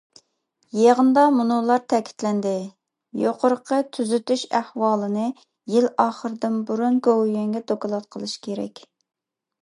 يىغىندا مۇنۇلار تەكىتلەندى: يۇقىرىقى تۈزىتىش ئەھۋالىنى يىل ئاخىرىدىن بۇرۇن گوۋۇيۈەنگە دوكلات قىلىش كېرەك.